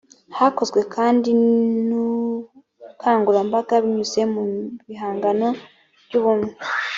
hakozwe kandi n ubukangurambaga binyuze mu bihangano by ubumwe